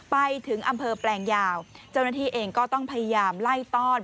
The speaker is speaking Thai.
ไปถึงอำเภอแปลงยาวเจ้าหน้าที่เองก็ต้องพยายามไล่ต้อน